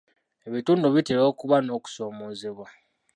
Ebitundu bitera okuba n'okusoomoozebwa.